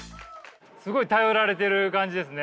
すごい頼られている感じですね。